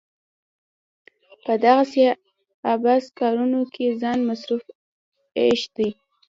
په دغسې عبث کارونو کې ځان مصرفول عيش دی.